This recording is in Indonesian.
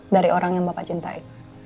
dari orang yang bapak cintai